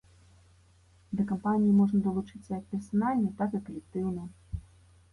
Да кампаніі можна далучыцца як персанальна, так і калектыўна.